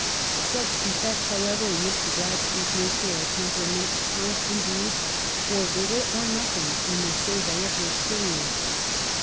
Such defects, however, in Mr. Gladstone's nature or temperament count indeed for little or nothing in the survey of his career.